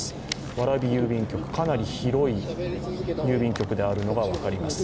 蕨郵便局、かなり広い郵便局であるのが分かります。